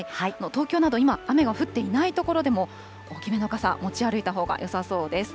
東京など今、雨が降っていない所でも、大きめの傘、持ち歩いたほうがよさそうです。